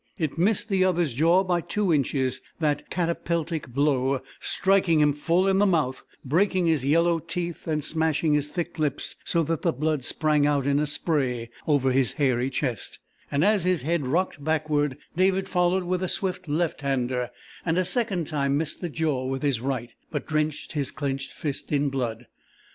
It missed the other's jaw by two inches, that catapeltic blow striking him full in the mouth, breaking his yellow teeth and smashing his thick lips so that the blood sprang out in a spray over his hairy chest, and as his head rocked backward David followed with a swift left hander, and a second time missed the jaw with his right but drenched his clenched fist in blood.